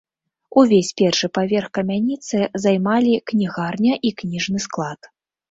Увесь першы паверх камяніцы займалі кнігарня і кніжны склад.